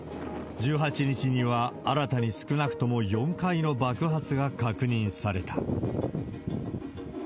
１８日には、新たに少なくとも４回の爆発が確認された。